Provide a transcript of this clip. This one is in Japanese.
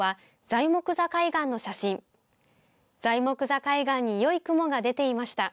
材木座海岸によい雲が出ていました。